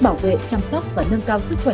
bảo vệ chăm sóc và nâng cao sức khỏe